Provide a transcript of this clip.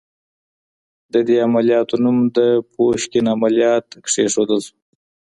د دې عملياتو نوم د پوشکين عمليات کېښودل شو.